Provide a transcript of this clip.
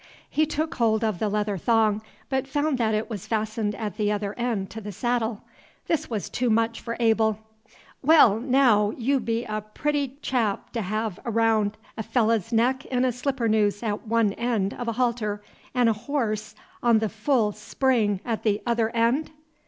He took hold of the leather thong, but found that it was fastened at the other end to the saddle. This was too much for Abel. "Wal, naow, yeou be a pooty chap to hev raound! A fellah's neck in a slippernoose at one eend of a halter, 'n' a hors on th' full spring at t' other eend!"